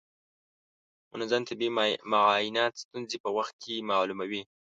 منظم طبي معاینات ستونزې په وخت کې معلوموي.